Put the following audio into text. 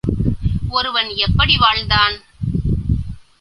ஒருவன் எப்படி வாழ்ந்தான்?